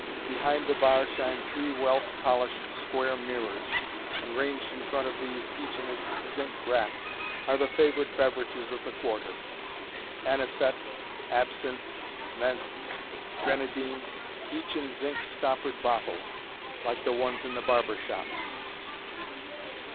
Behind the bar shine three well polished square mirrors, and ranged in front of these, each in its zinc rack, are the favorite beverages of the Quarter anisette, absinthe, menthe, grenadine each in zinc stoppered bottles, like the ones in the barber shops.